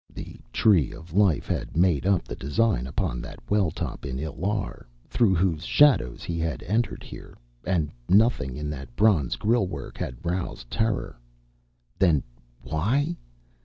The tree of life had made up the design upon that well top in Illar through whose shadow he had entered here, and nothing in that bronze grille work had roused terror. Then why